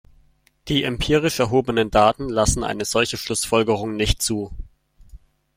Die empirisch erhobenen Daten lassen eine solche Schlussfolgerung nicht zu.